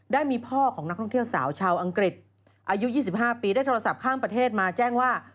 ได้มีพ่อของนักท่องเที่ยวสาวชาวอังกฤษอายุ๒๕ปีได้โทรศัพท์ข้ามประเทศมาแจ้งว่า